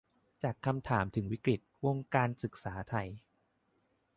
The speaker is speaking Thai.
จากคำถามถึงวิกฤติ วงการศึกษาไทย